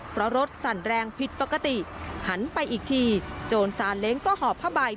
เพราะรถสั่นแรงผิดปกติหันไปอีกทีโจรสาเล้งก็หอบผ้าใบ